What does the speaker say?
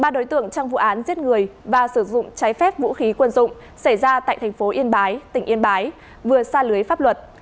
ba đối tượng trong vụ án giết người và sử dụng trái phép vũ khí quân dụng xảy ra tại thành phố yên bái tỉnh yên bái vừa xa lưới pháp luật